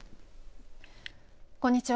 こんにちは。